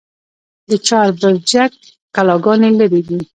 د چهار برجک کلاګانې لري